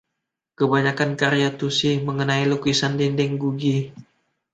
Kebanyakan karya Tucci mengenai lukisan dinding Guge.